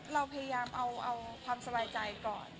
เราพยายามเอาความสบายใจก่อน